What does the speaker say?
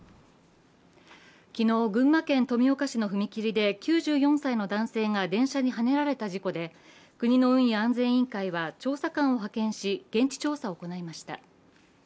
昨日、群馬県富岡市の踏切で９４歳の男性が電車にはねられた事故で国の運輸安全委員会は調査官を派遣し、現地調査を行いました。